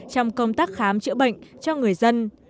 trong công tác khám chữa bệnh cho người dân